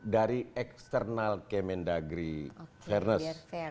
dari eksternal kemendagri fairness